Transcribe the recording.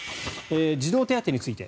児童手当について。